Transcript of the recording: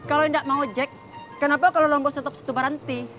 kalau gak mau ojek kenapa kalau lo mau setuk setubaranti